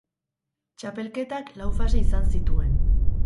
Txapelketak lau fase izan zituen.